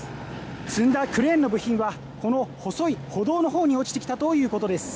積んだクレーンの部品は、この細い歩道の方に落ちてきたということです。